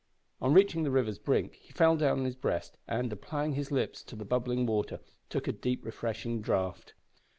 On reaching the river's brink he fell down on his breast and, applying his lips to the bubbling water, took a deep refreshing draught.